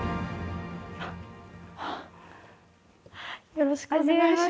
よろしくお願いします。